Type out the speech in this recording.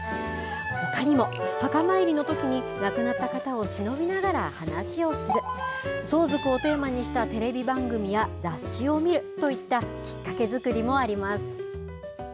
ほかにも、お墓参りのときに亡くなった方をしのびながら話をする、相続をテーマにしたテレビ番組や雑誌を見るといったきっかけ作りもあります。